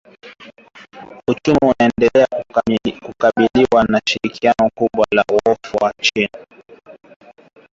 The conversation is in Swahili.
"Uchumi unaendelea kukabiliwa na shinikizo kubwa la mfumuko wa bei kutokana na mazingira ya nje